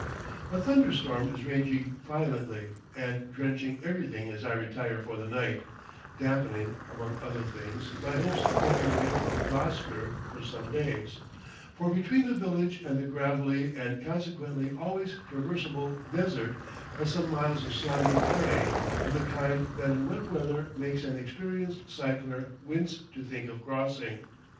A thunder storm is raging violently and drenching everything as I retire for the night, dampening, among other things, my hopes of getting away from Lasgird for some days; for between the village and the gravelly, and consequently always traversable, desert, are some miles of slimy clay of the kind that in wet weather makes an experienced cycler wince to think of crossing.